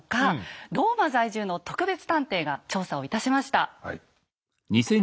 ローマ在住の特別探偵が調査をいたしました。